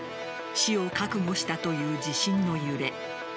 死を覚悟したという地震の揺れ。